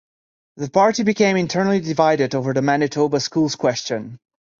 The party became internally divided over the Manitoba Schools Question.